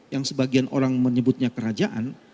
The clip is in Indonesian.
yang sebagian orang menyebutnya kerajaan